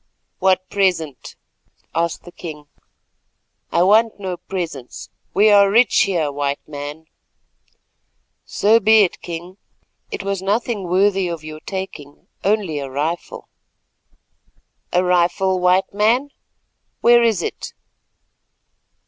"What present?" asked the king. "I want no presents. We are rich here, White Man." "So be it, King. It was nothing worthy of your taking, only a rifle." "A rifle, White Man? Where is it?"